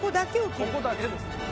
ここだけです。